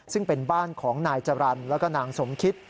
ซึ่งเป็นบ้านของนายจรรย์แล้วก็นางสมคิต